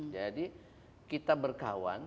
jadi kita berkawan